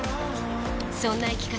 そんな生き方